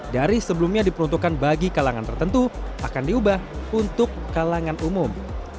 dari sebelumnya diperuntukkan bagi kalangan tertentu akan diubah untuk kalangan umum